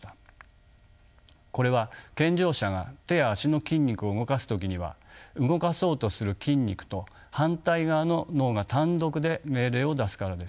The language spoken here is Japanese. これは健常者が手や足の筋肉を動かす時には動かそうとする筋肉と反対側の脳が単独で命令を出すからです。